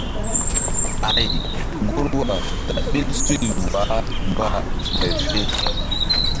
Ay ŋgorwa ta ɓil suy wah mba ɓay fe.